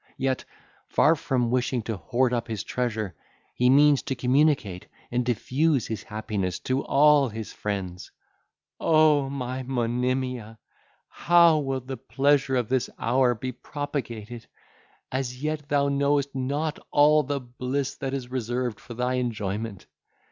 Yet, far from wishing to hoard up his treasure, he means to communicate and diffuse his happiness to all his friends. O my Monimia! how will the pleasure of this hour be propagated! As yet thou knowest not all the bliss that is reserved for thy enjoyment!